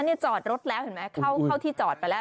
นี่จอดรถแล้วเห็นไหมเข้าที่จอดไปแล้ว